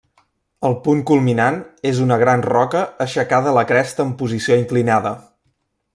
El punt culminant és una gran roca aixecada a la cresta amb posició inclinada.